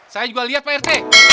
saya juga liat pak rt